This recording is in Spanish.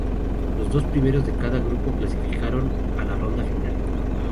Los dos primeros de cada grupo clasificaron a la ronda final.